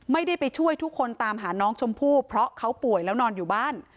ไม่ได้ไปช่วยทุกคนตามหาน้องชมพู่เพราะเขาป่วยแล้วนอนอยู่บ้าน